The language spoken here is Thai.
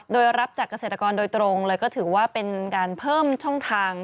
โดยรับจากเกษตรกรโดยตรงเลยก็ถือว่าเป็นการเพิ่มช่องทาง